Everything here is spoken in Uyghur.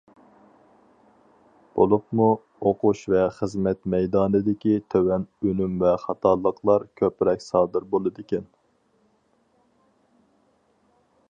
بولۇپمۇ، ئوقۇش ۋە خىزمەت مەيدانىدىكى تۆۋەن ئۈنۈم ۋە خاتالىقلار كۆپرەك سادىر بولىدىكەن.